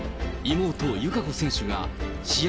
妹、友香子選手が、試合